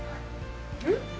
うん？